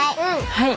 はい。